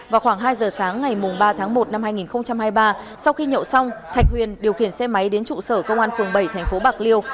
vào khoảng hai giờ sáng ngày ba tháng một năm hai nghìn hai mươi ba sau khi nhậu xong thạch huyền điều khiển xe máy đến trụ sở công an phường bảy thành phố bạc liêu